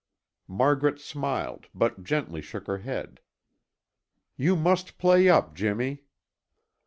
Margaret smiled but gently shook her head. "You must play up, Jimmy!"